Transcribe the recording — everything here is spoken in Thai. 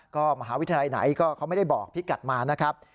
ก็มหาวิทยาลัยไหนก็เขาไม่ได้บอกพี่กัดมานะครับ